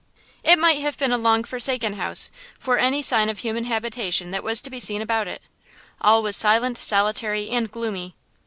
It might have been a long forsaken house, for any sign of human habitation that was to be seen about it. All was silent, solitary and gloomy.